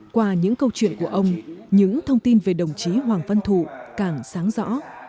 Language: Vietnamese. qua những câu chuyện của ông những thông tin về đồng chí hoàng văn thụ càng sáng rõ